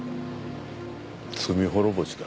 罪滅ぼしだ。